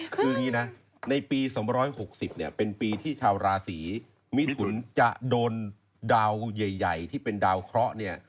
คืออย่างนี้นะในปี๒๖๐เนี่ยเป็นปีที่ชาวราศีมิถุนจะโดนดาวใหญ่ที่เป็นดาวเคราะห์เนี่ย